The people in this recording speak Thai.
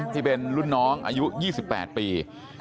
ที่เป็นรุ่นน้องอายุ๒๘ปี